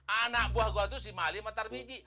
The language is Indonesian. anak buah gue tuh si mali matar biji